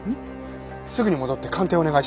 すぐに戻って鑑定お願いします！